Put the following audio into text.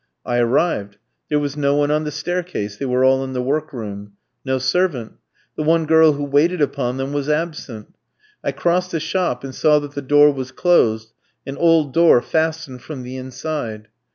I arrived. There was no one on the staircase; they were all in the work room. No servant. The one girl who waited upon them was absent. I crossed the shop and saw that the door was closed an old door fastened from the inside.